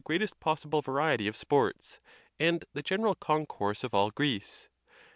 greatest possible variety of sports and the general con course of all Greece.